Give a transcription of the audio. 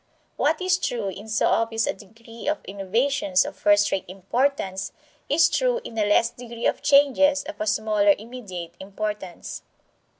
What is true in so obvious a degree of innovations of first rate importance is true in a less degree of changes of a smaller immediate importance.